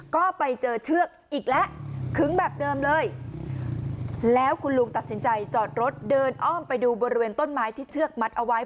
ก็ไปเจอเชือกอีกแล้วขึงแบบเดิมเลยแล้วคุณลุงตัดสินใจจอดรถเดินอ้อมไปดูบริเวณต้นไม้ที่เชือกมัดเอาไว้